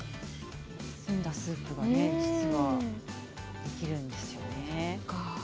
澄んだスープがねできるんですよね。